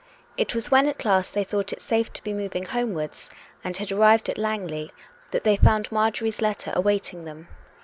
It was when at last they thought it safe to be moving homewards, and had arrived at Langley, that they found Marjorie's letter await ing them.